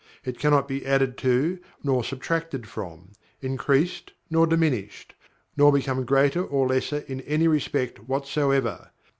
It cannot be added to nor subtracted from; increased nor diminished; nor become greater or lesser in any respect whatsoever.